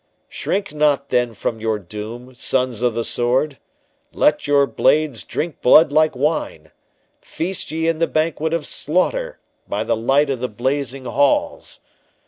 Shrink not then from your doom, sons of the sword! Let your blades drink blood like wine; Feast ye in the banquet of slaughter, By the light of the blazing halls!